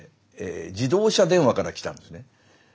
自動車電話から来たんですね。